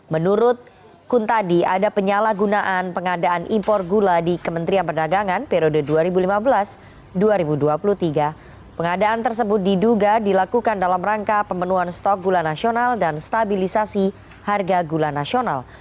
menurut kuntadi ada penyalahgunaan pengadaan impor gula di kementerian perdagangan periode dua ribu lima belas dua ribu dua puluh tiga pengadaan tersebut diduga dilakukan dalam rangka pemenuhan stok gula nasional dan stabilisasi harga gula nasional